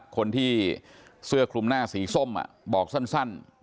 คนที่เสื้อคลุมหน้าสีส้มบอกสั้น